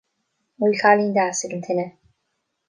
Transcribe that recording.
An bhfuil cailín deas ag an tine